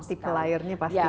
multipliernya pasti ada